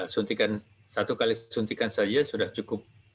suntikan satu kali suntikan saja sudah cukup